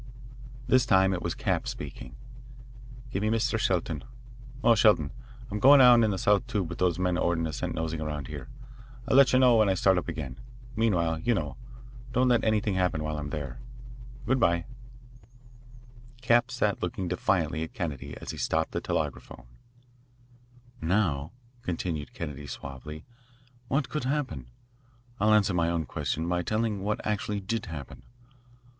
This time it was Capps speaking. "Give me Mr. Shelton. Oh, Shelton, I'm going down in the south tube with those men Orton has sent nosing around here. I'll let you know when I start up again. Meanwhile you know don't let anything happen while I am there. Good bye." Capps sat looking defiantly at Kennedy, as he stopped the telegraphone. "Now," continued Kennedy suavely, "what could happen? I'll answer my own question by telling what actually did happen.